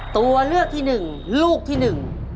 ตัวเลือกที่หนึ่งลูกที่หนึ่ง